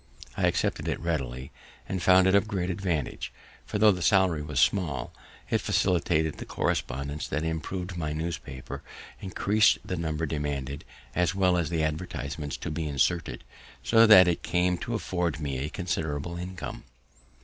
I accepted it readily, and found it of great advantage; for, tho' the salary was small, it facilitated the correspondence that improv'd my newspaper, increas'd the number demanded, as well as the advertisements to be inserted, so that it came to afford me a considerable income.